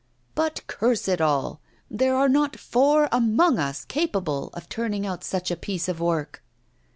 'But, curse it all! there are not four among us capable of turning out such a piece of work!